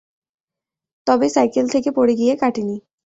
তবে সাইকেল থেকে পড়ে গিয়ে কাটে নি।